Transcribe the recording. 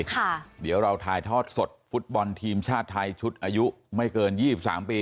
ค่ะเดี๋ยวเราถ่ายทอดสดฟุตบอลทีมชาติไทยชุดอายุไม่เกินยี่สิบสามปี